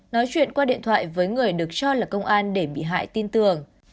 nói chuyện qua điện thoại với người được cho là công an để bị hại tin tưởng